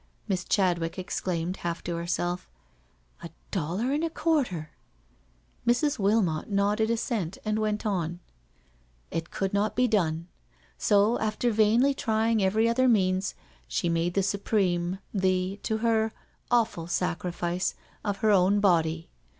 Miss Chadwick exclaimed, half to herself, " A dollar and a quarter I" Mrs. Wilmot nodded assent and went on: " It could not be done. So after vainly trying every other means, she made the supreme, the, to her, awful sacrifice, of her own body.